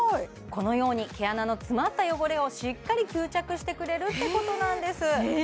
このように毛穴の詰まった汚れをしっかり吸着してくれるってことなんです